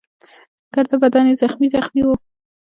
ګرده بدن يې زخمي زخمي وو.